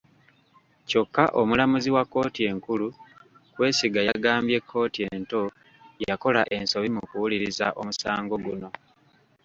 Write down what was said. Kyokka omulamuzi wa kkooti enkulu Kwesiga yagambye kkooti ento yakola ensobi mu kuwuliriza omusango guno.